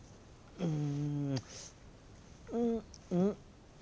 うん！